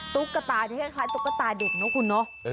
ตุ๊กตานี่คล้ายตุ๊กตาเด็กเนอะคุณเนาะ